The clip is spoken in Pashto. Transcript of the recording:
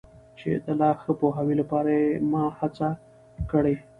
چي د لا ښه پوهاوي لپاره یې ما هڅه کړي.